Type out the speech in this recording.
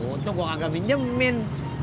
untung gue gak ngeminjem amin